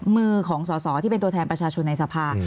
มือของสอสอที่เป็นตัวแทนประชาชนในสภา